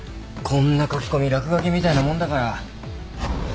こんな書き込み落書きみたいなもんだから。